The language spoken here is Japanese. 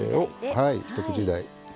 はい一口大。